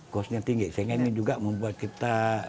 kosnya tinggi sehingga ini juga membuat kita